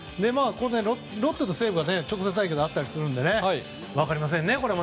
ロッテと西武は直接対決があったりするので分かりませんね、これも。